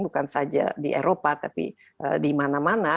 bukan saja di eropa tapi di mana mana